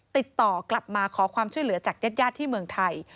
ติดต่อกลับมาขอความช่วยเหลือจากญาติที่เมืองไทย